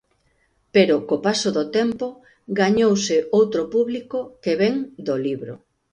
Pero co paso do tempo, gañouse outro público que vén do libro.